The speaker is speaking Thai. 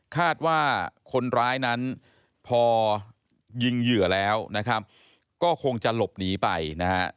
คาดว่าคนร้ายนั้นพอยิงเหยื่อแล้วนะครับก็คงจะหลบหนีไปนะฮะ